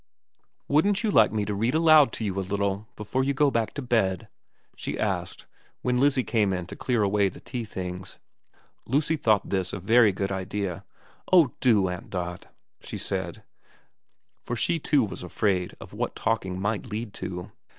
* Wouldn't you like me to read aloud to you a little 328 VERA while before you go back to bed ?' she asked, when Lizzie came in to clear away the tea things. Lucy thought this a very good idea. ' Oh do, Aunt Dot,' she said ; for she too was afraid of what talking might lead to.